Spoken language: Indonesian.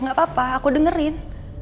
gak apa apa aku dengerin